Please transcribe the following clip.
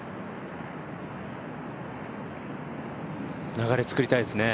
流れつくりたいですね。